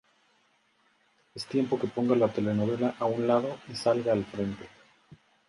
Es tiempo que ponga la telenovela a un lado y salga al frente.